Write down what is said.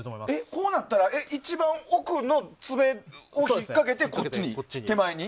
こうなったら一番奥の爪を引っかけて手前に。